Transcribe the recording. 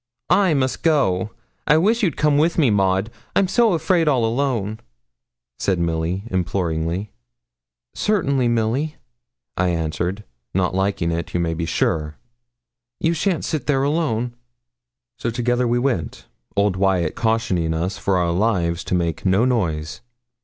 'I must go. I wish you'd come wi' me, Maud, I'm so afraid all alone,' said Milly, imploringly. 'Certainly, Milly,' I answered, not liking it, you may be sure; 'you shan't sit there alone.' So together we went, old Wyat cautioning us for our lives to make no noise.